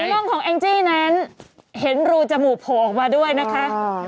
ถุงนอกของแอคจี้นั้นเห็นรูจมูกผออกมาด้วยนะคะ